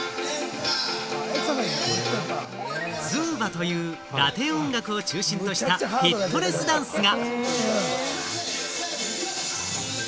ズンバというラテン音楽を中心としたフィットネスダンスが！